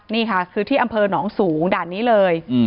นี่ค่ะคือที่อำเภอหนองสูงด่านนี้เลย